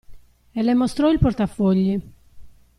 E le mostrò il portafogli.